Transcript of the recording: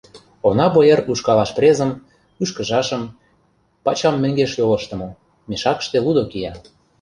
Онапу йыр ушкалаш презым, ӱшкыжашым, пачам меҥгеш йолыштымо, мешакыште лудо кия.